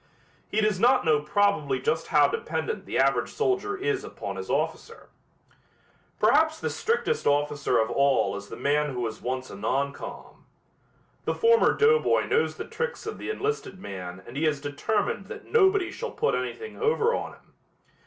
He does not know probably just how dependent the average soldier is upon his officer. Perhaps the strictest officer of all is the man who was once a non com. The former doughboy knows the tricks of the enlisted man and he is determined that nobody shall put anything over on him.